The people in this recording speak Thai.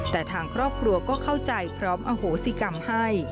แต่ทางครอบครัวก็เข้าใจพร้อมอโหสิกรรมให้